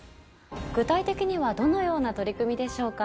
具体的にはどのような取り組みでしょうか？